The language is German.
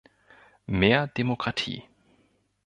Mehr Demokratie.